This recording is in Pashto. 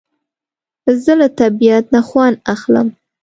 زه له طبیعت نه خوند اخلم